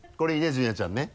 純也ちゃんね。